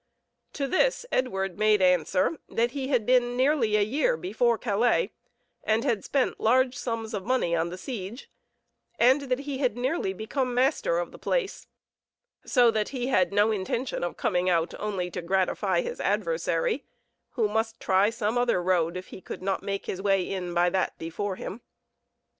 To this Edward made answer, that he had been nearly a year before Calais, and had spent large sums of money on the siege, and that he had nearly become master of the place, so that he had no intention of coming out only to gratify his adversary, who must try some other road if he could not make his way in by that before him.